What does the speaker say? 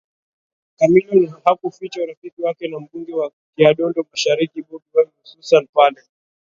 Chameleone hakuficha urafiki wake na mbunge wa Kyadondo mashariki Bobi Wine hususan pale